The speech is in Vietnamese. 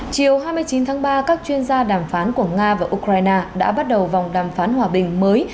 chiều hai mươi chín tháng ba các chuyên gia đàm phán của nga và ukraine đã bắt đầu vòng đàm phán hòa bình mới